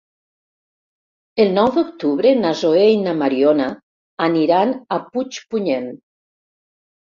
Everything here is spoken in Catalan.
El nou d'octubre na Zoè i na Mariona aniran a Puigpunyent.